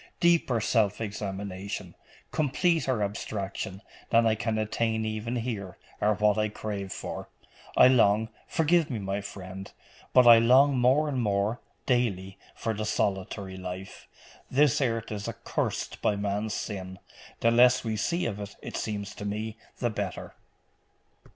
Deeper self examination, completer abstraction, than I can attain even here, are what I crave for. I long forgive me, my friend but I long more and more, daily, for the solitary life. This earth is accursed by man's sin: the less we see of it, it seems to me, the better.